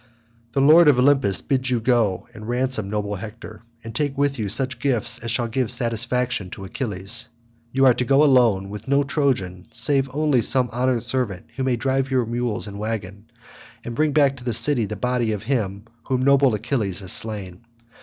The lord of Olympus bids you go and ransom noble Hector, and take with you such gifts as shall give satisfaction to Achilles. You are to go alone, with no Trojan, save only some honoured servant who may drive your mules and waggon, and bring back to the city the body of him whom noble Achilles has slain.